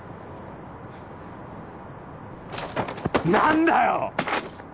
何だよ！